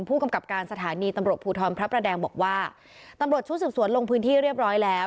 ผู้กำกับการสถานีตำรวจภูทรพระประแดงบอกว่าตำรวจชุดสืบสวนลงพื้นที่เรียบร้อยแล้ว